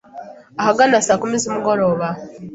ahagana saa kumi zumugoroba